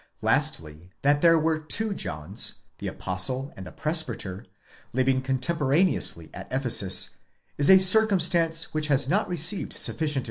Lastly, that there were two Johns, the Apostle and the Presbyter, living contemporaneously at Ephesus, is a circumstance which has not received sufficient.